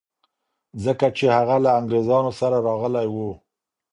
ځکه چي هغه له انګریزانو سره راغلی و.